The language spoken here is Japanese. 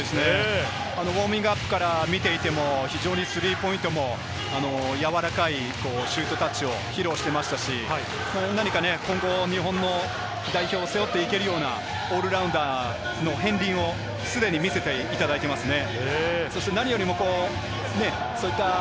ウオーミングアップから見ていても非常にスリーポイントもやわらかいシュートタッチを披露していましたし、何か今後、日本の代表を背負っていけるようなオールラウンダーの片鱗をすでに見せていただいていますね。